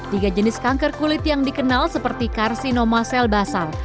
tiga jenis kanker kulit yang dikenal seperti karsinoma sel basal